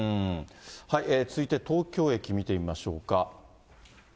続いて東京駅、見てみましょうか。